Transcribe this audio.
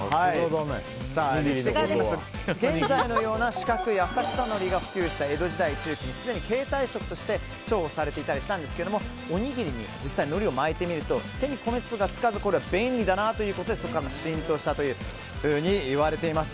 歴史的に見ると現在のような四角い浅草のりが普及した際江戸時代中期に重宝されていたんですがおにぎりに実際のりを巻いてみると手に米粒がつかず便利だなということで浸透したといわれています。